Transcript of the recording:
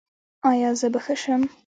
ایا زه به ښه شم؟